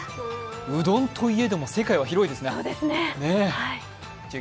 うどんといえども世界は広いですね。